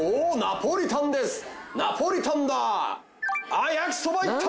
あっ焼きそばいった！